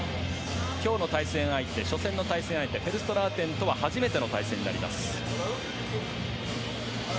今日の対戦相手初戦の対戦相手フェルストラーテンとは初めての対戦になります。